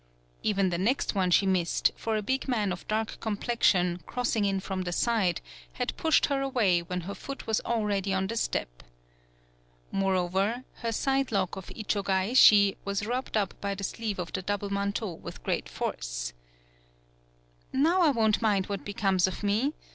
Even the next one she missed, for a big man of dark complexion, crossing in from the side, had pushed her away when her foot was already on the step. Moreover, her side lock of Ichogaeshi was rubbed up by the sleeve of the double manteau with great force. "Now I won't mind what becomes of me.